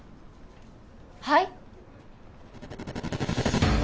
はい？